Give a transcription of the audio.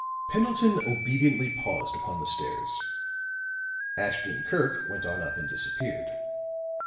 Pendleton obediently paused upon the stairs; Ashton Kirk went on up and disappeared.